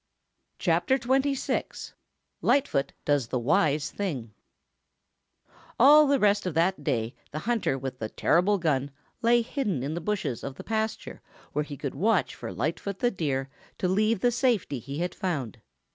CHAPTER XXVI LIGHTFOOT DOES THE WISE THING All the rest of that day the hunter with the terrible gun lay hidden in the bushes of the pasture where he could watch for Lightfoot the Deer to leave the place of safety he had found.